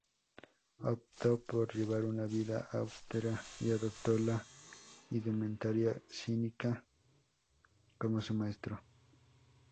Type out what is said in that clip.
Optó por llevar una vida austera y adoptó la indumentaria cínica, como su maestro.